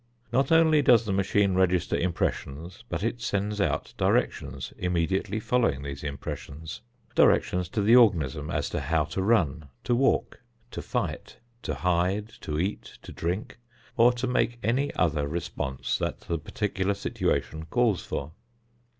Not only does the machine register impressions but it sends out directions immediately following these impressions: directions to the organism as to how to run, to walk, to fight, to hide, to eat, to drink, or to make any other response that the particular situation calls for.